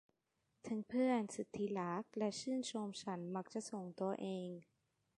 ถึงเพื่อนสุดที่รักและชื่นชมฉันมักจะส่งตัวเอง